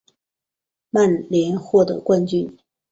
曼联获得冠军。